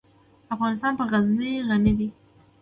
افغانستان په غزني غني دی.